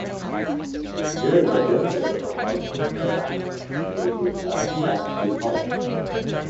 There’s a danger of polishing a diamond until there’s nothing left to polish.